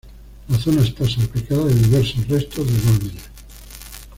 La zona está salpicada de diversos restos de dólmenes.